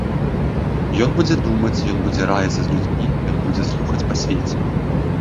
Ён будзе думаць, ён будзе раіцца з людзьмі, ён будзе слухаць па свеце.